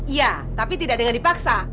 iya tapi tidak dengan dipaksa